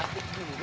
ini dia budi